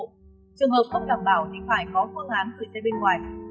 trường hợp không đảm bảo thì phải có phương án từ trên bên ngoài